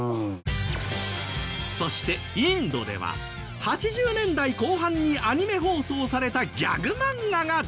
そしてインドでは８０年代後半にアニメ放送されたギャグ漫画が大人気！